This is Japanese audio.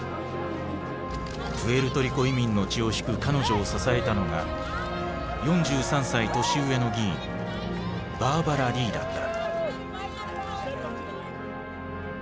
プエルトリコ移民の血を引く彼女を支えたのが４３歳年上の議員バーバラ・リーだった。